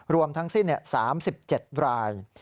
รวมทั้งสิ้น๓๗ราย